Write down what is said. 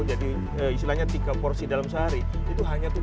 jadi istilahnya tiga porsi dalam sehari itu hanya tujuh persen